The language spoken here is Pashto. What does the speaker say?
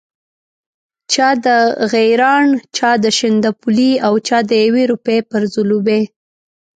چا د غیراڼ، چا د شانداپولي او چا د یوې روپۍ پر ځلوبۍ.